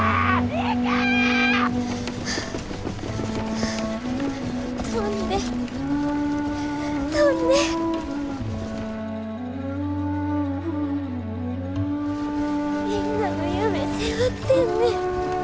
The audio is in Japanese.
みんなの夢背負ってんねん。